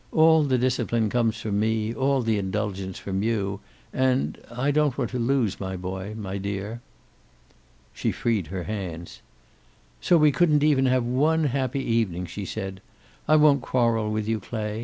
"All the discipline comes from me, all the indulgence from you. And I don't want to lose my boy, my dear." She freed her hands. "So we couldn't even have one happy evening!" she said. "I won't quarrel with you, Clay.